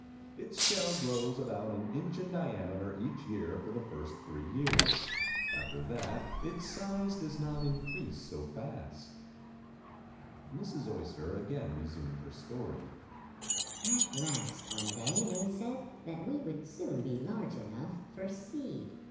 Its shell grows about an inch in diameter each year for the first three years. After that its size does not increase so fast." Mrs. Oyster again resumed her story. "At last one day they said that we would soon be large enough for 'seed.